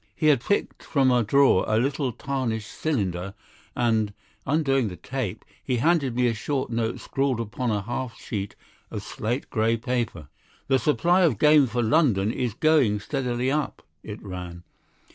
He had picked from a drawer a little tarnished cylinder, and, undoing the tape, he handed me a short note scrawled upon a half sheet of slate grey paper. "The supply of game for London is going steadily up," it ran.